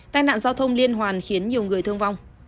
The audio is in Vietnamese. tai nạn giao thông liên hoàn khiến nhiều người thương vong